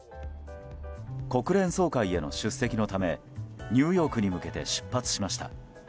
国連総会への出席のためニューヨークに向けて出発しました。